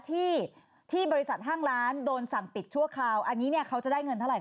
ที่บริษัทห้างร้านโดนสั่งปิดชั่วคร่าวเขาจะได้เงินเท่าไหร่ค่ะ